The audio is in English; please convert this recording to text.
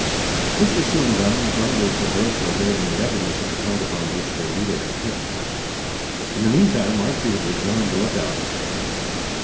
This was soon done, and the bundles of earth were laid in readiness at the point upon which their leader had fixed. In the meantime Archie had rejoined the lookout.